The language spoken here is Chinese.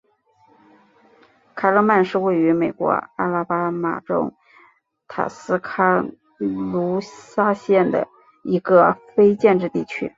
凯勒曼是位于美国阿拉巴马州塔斯卡卢萨县的一个非建制地区。